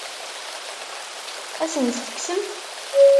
Ad asen-tt-tekksemt?